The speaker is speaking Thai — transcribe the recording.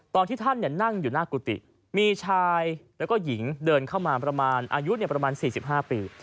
ตอนที่ท่านนั่งอยู่หน้ากุฏิมีชายแล้วก็หญิงเดินเข้ามาประมาณอายุประมาณ๔๕ปี